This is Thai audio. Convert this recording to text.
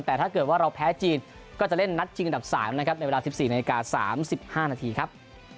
แต่ถ้าเกิดว่าเราแพ้จีนก็จะเล่นนัดชิงอันดับ๓นะครับในเวลา๑๔นาฬิกา๓๕นาทีครับ